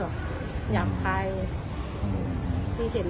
ครับแล้วสามีเขามาทีหลัง